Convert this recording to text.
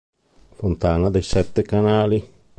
Fontana dei sette canali